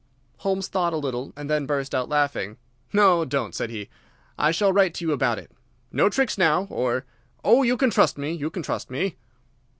Holmes thought a little and then burst out laughing. "No, don't," said he; "I shall write to you about it. No tricks, now, or—" "Oh, you can trust me, you can trust me!"